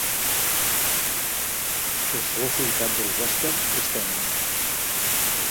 El sabor fruitat dels èsters és tènue.